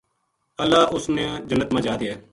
اللہ اس نے جنت ما جا دیئے